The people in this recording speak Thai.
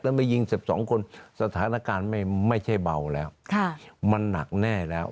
แล้วไม่ยิง๑๒คนสถานการณ์ไม่ใช่เบาแล้วมันหนักแน่แล้ว